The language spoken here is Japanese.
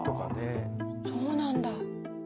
そうなんだ。